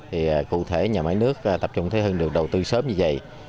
thì cụ thể nhà máy nước tập trung thời hưng được đầu tư sớm như vậy